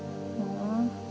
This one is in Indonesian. ya ya dipakai sepedanya ya